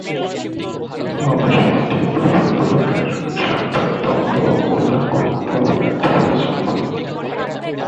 গবেষণাটি প্রথম লেখকের স্বার্থের দ্বন্দ্ব উল্লেখ করতেও ব্যর্থ হয়েছিল।